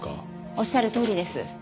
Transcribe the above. おっしゃるとおりです。